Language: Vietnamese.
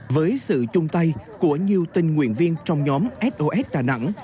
với sự chung tay của nhiều tình nguyện viên trong nhóm sos đà nẵng